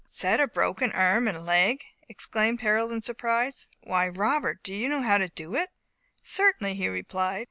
"Set a broken arm and leg!" exclaimed Harold in surprise. "Why, Robert, do you know how to do it?" "Certainly," he replied.